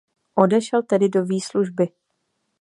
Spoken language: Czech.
Odešel tedy do výslužby.